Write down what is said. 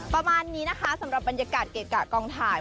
ประมาณนี้นะคะสำหรับบรรยากาศเกะกะกองถ่าย